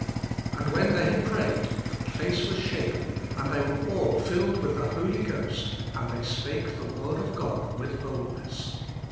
" And when they had prayed, the place was shaken, and they were all filled with the Holy Ghost, and they spake the word of God with boldness.